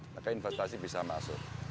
maka investasi bisa masuk